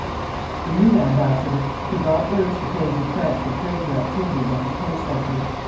The new ambassador could not urge the claims of France with greater activity than his predecessor.